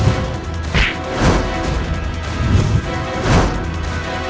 aku akan menangkapmu